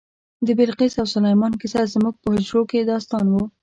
د بلقیس او سلیمان کیسه زموږ په حجرو کې داستان و.